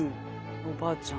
おおばあちゃん。